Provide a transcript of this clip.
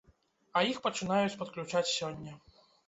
А іх пачынаюць падключаць сёння.